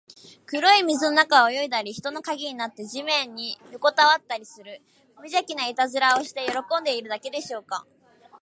黒い水の中を泳いだり、人の影になって地面によこたわったりする、むじゃきないたずらをして喜んでいるだけでしょうか。